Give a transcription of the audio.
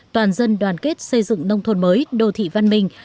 toàn dân đoàn kết xây dựng nông thôn mới đô thị văn minh